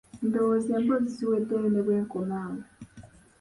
Ndowooza emboozi ziweddeyo ne bwe nkoma awo?